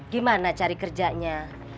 gimana cari kerjanya